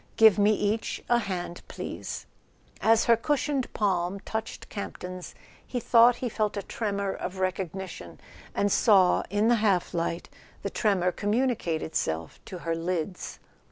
Give me each a hand, please." As her cushioned palm touched Camp ton's he thought he felt a tremor of recognition, and saw, in the half light, the tremor communicate itself to her lids.